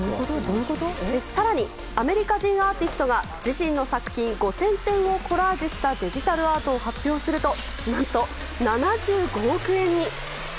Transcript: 更に、アメリカ人アーティストが自身の作品５０００点をコラージュしたデジタルアートを発表すると何と７５億円に。